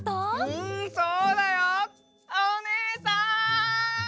うんそうだよ。おねえさん！